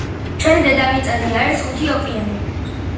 ჩვენ დედამიწაზე არი ხუთი ოკეანე